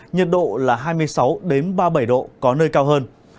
nhiệt độ là hai mươi sáu ba mươi bảy độ có nơi cao hơn